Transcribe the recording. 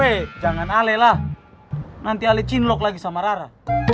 weh jangan ale lah nanti ale cinlok lagi sama rara